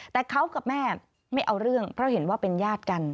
แต่เขากับแม่ไม่เอาเรื่องเพราะเห็นว่าเป็นญาติกัน